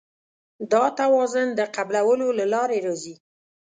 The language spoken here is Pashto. دا توازن د قبلولو له لارې راځي.